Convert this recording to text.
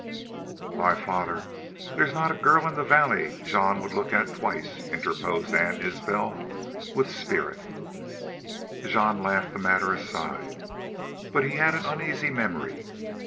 "Why, father, there's not a girl in the valley Jean would look twice at," interposed Ann Isbel, with spirit. Jean laughed the matter aside, but he had an uneasy memory.